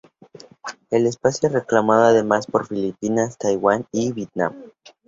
El espacio es reclamado además por Filipinas, Taiwán y Vietnam.